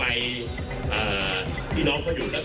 อันดับสุดท้าย